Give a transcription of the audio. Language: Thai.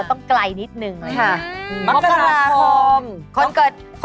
สวัสดีครับ